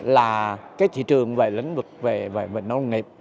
là thị trường về nông nghiệp